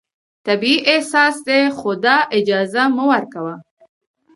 طبیعي احساس دی، خو دا اجازه مه ورکوه